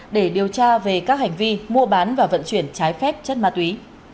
để điều tra về các hành vi mua bán và vận chuyển trái phép chất ma túy